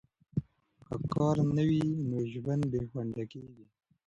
که کار نه وي، نو ژوند بې خونده کیږي.